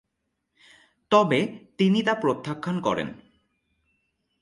তবে তিনি তা প্রত্যাখ্যান করেন।